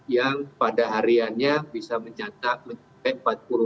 yang pada hariannya bisa mencatat mencapai empat puluh